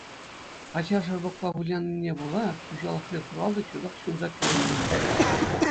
Ача шӑрпӑкпа вылянине пула, хуҫалӑхри хуралтӑ чутах ҫунса кӗлленмен.